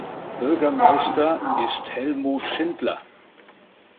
Bürgermeister ist Helmut Schindler.